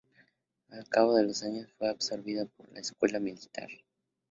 Al cabo de los años, fue absorbida por la Escuela Militar.